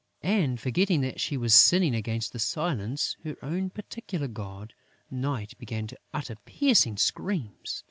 And, forgetting that she was sinning against Silence, her own particular god, Night began to utter piercing screams.